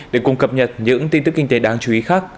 để cùng cập nhật những tin tức kinh tế đáng chú ý khác